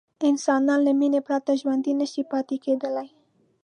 انسانان له مینې پرته ژوندي نه شي پاتې کېدلی.